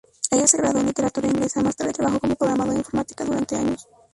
Ella se graduó en Literatura Inglesa, más tarde trabajó como programadora informática durante años.